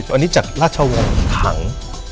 วันนี้จากราชวงศ์ขัง